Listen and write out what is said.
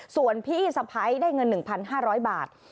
ส่วนพี่สะพ้ายได้เงิน๑๕๐๐บาท